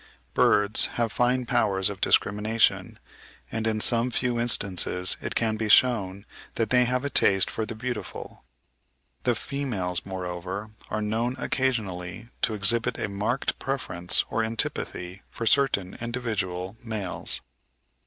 Birds have fine powers of discrimination, and in some few instances it can be shewn that they have a taste for the beautiful. The females, moreover, are known occasionally to exhibit a marked preference or antipathy for certain individual males.